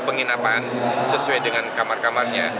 penginapan sesuai dengan kamar kamarnya